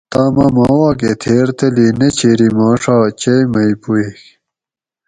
توم اٞ ما واکہ تھیر تلی نہ چھیری ما ݭا چئ مئ پوئیگ